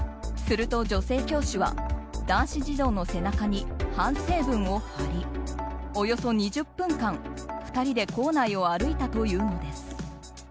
すると女性教師は男子児童の背中に反省文を貼りおよそ２０分間、２人で校内を歩いたというのです。